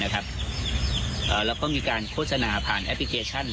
แล้วก็มีการโฆษณาผ่านแอปพลิเคชัน